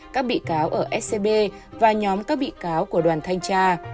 các bị cáo ở scb và nhóm các bị cáo của đoàn thanh tra